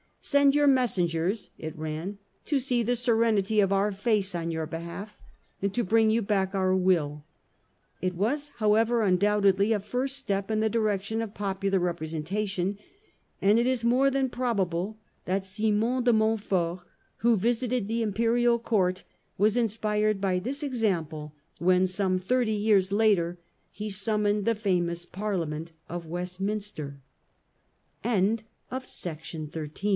" Send your messengers," it ran, " to see the serenity of our face on your behalf and to bring you back our will." It was, however, undoubtedly a first step in the direction of popular representation, and it is more than probable that Simon de Montfort, who visited the Im perial Court, was inspired by this example when, some thirty years later, he summoned